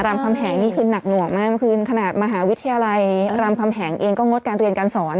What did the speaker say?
คำแหงนี่คือหนักหน่วงมากเมื่อคืนขนาดมหาวิทยาลัยรามคำแหงเองก็งดการเรียนการสอน